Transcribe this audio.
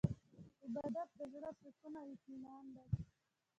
عبادت د زړه سکون او اطمینان دی.